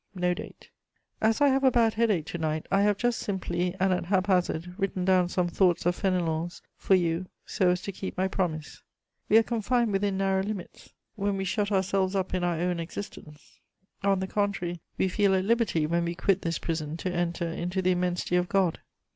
(No date.) "As I have a bad headache to night, I have just simply, and at haphazard, written down some thoughts of Fénelon's for you, so as to keep my promise: '"We are confined within narrow limits when we shut ourselves up in our own existence; on the contrary, we feel at liberty when we quit this prison to enter into the immensity of God.'